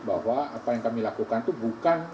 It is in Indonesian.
bahwa apa yang kami lakukan itu bukan